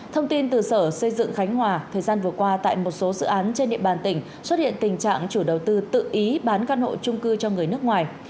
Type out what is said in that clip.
thông tin từ sở xây dựng khánh hòa thời gian vừa qua tại một số dự án trên địa bàn tỉnh xuất hiện tình trạng chủ đầu tư tự ý bán căn hộ trung cư cho người nước ngoài